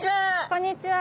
こんにちは。